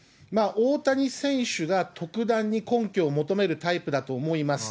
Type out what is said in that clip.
大谷選手が特段に根拠を求めるタイプだと思います。